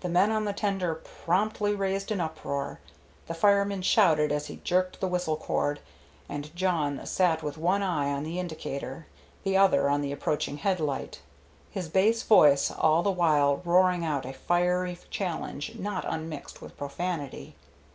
The men on the tender promptly raised an uproar, the fireman shouted as he jerked the whistle cord, and Jawn sat with one eye on the indicator, the other on the approaching headlight, his bass voice all the while roaring out a fiery challenge not unmixed with profanity.